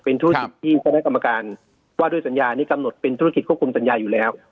ธุรกิจที่คณะกรรมการว่าด้วยสัญญานี้กำหนดเป็นธุรกิจควบคุมสัญญาอยู่แล้ว